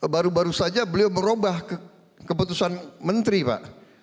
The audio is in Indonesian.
baru baru saja beliau merubah keputusan menteri pak